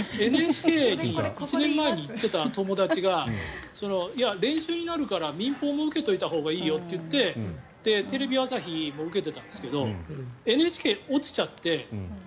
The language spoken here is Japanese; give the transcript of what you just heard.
ＮＨＫに１年前に行ってた友達が練習になるから民放を受けといたほうがいいよってテレビ朝日も受けてたんですけどＮＨＫ落ちちゃって。